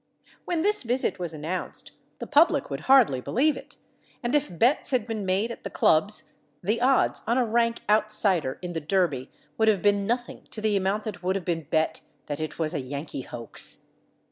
When this visit was announced the public would hardly believe it, and if bets had been made at the clubs, the odds on a rank outsider in the Derby would have been nothing to the amount that would have been bet that it was a Yankee hoax.